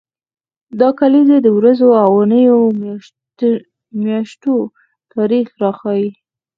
دا کلیزې د ورځو، اونیو او میاشتو تاریخ راښيي.